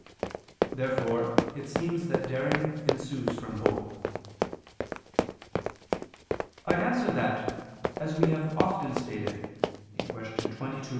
Therefore it seems that daring ensues from hope. I answer that, As we have often stated (Q. 22, A.